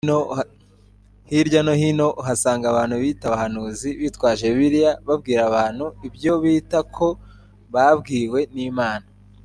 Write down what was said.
Hirya no hino uhasanga abantu biyita abahanuzi bitwaje bibiliya babwira abantu ibyo bita ko babwiwe n’Imana